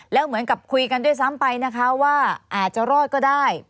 แล้วเหมือนกับคุยกันด้วยซ้ำไปนะคะว่าอาจจะรอดก็ได้